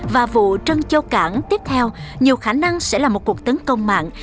và vụ trân châu cảng tiếp theo nhiều khả năng sẽ là một cuộc tấn công mạng